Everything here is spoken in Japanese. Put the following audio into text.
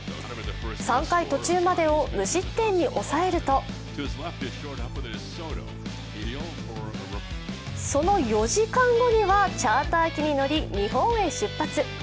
３回途中までを無失点に抑えるとその４時間後にはチャーター機に乗り、日本へ出発。